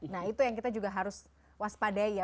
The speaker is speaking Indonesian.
nah itu yang kita juga harus waspadai ya